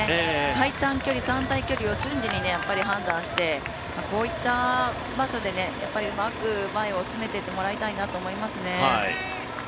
最短距離を瞬時に判断してこういった場所でうまく前を詰めていきたいなと思いますね。